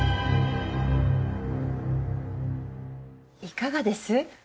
いかがです？